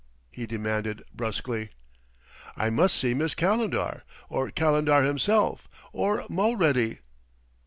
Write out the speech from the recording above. he demanded brusquely. "I must see Miss Calendar, or Calendar himself, or Mulready."